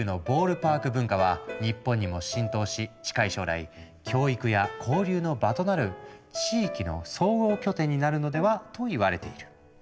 パーク文化は日本にも浸透し近い将来教育や交流の場となる地域の総合拠点になるのではといわれている。